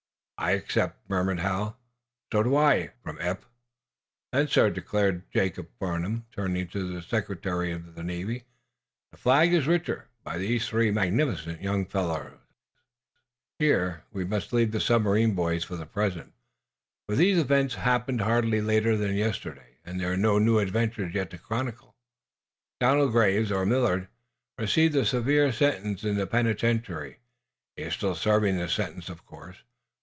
"I accept," murmured Hal. "So do I," from Eph. "Then, sir," declared Jacob Farnum, turning to the Secretary of the Navy, "the Flag is richer by three magnificent young followers!" Here we must leave the submarine boys for the present, for these events happened hardly later than yesterday, and there are no new adventures yet to chronicle. Donald Graves Millard received a severe sentence in the penitentiary. He is still serving the sentence, of course.